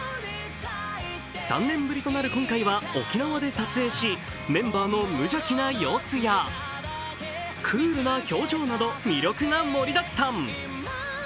３年ぶりとなる今回は沖縄で撮影しメンバーの無邪気な様子やクールな表情など魅力が盛りだくさん。